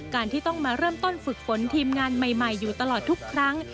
การที่ต้องมาเริ่มต้นฝึกฝนทีมงานใหม่อยู่ตลอดทุกครั้ง